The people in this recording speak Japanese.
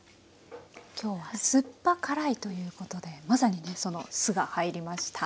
今日は酸っぱ辛いということでまさにその酢が入りました。